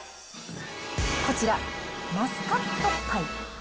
こちら、マスカットパイ。